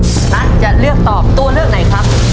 คุณนัทจะเลือกตอบตัวเลือกไหนครับ